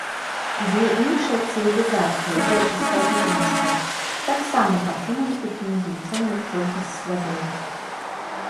Дзве іншыя цывілізацыі, грэчаская і рымская, таксама пакінулі тут незлічоную колькасць слядоў.